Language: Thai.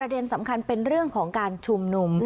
เด็นสำคัญเป็นเรื่องของการชุมนุม